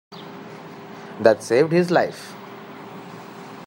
That saved his life.